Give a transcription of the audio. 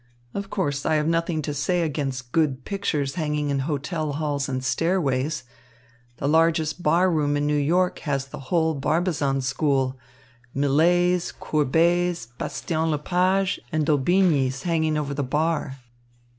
Of course, I have nothing to say against good pictures hanging in hotel halls and stairways. The largest bar room in New York has the whole Barbizon school Millets, Courbets, Bastien Lepages, and Daubignys hanging over the bar."